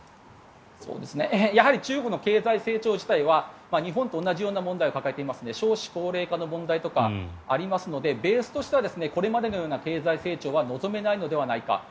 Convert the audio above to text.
やはり中国の経済成長自体は日本と同じような問題を抱えていますので少子高齢化の問題とかありますのでベースとしてはこれまでのような経済成長は望めないのではないか。